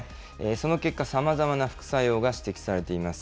その結果、さまざまな副作用が指摘されています。